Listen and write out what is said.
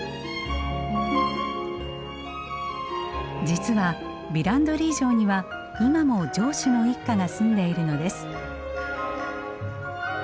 実はヴィランドリー城には今も城主の一家が住んでいるのです。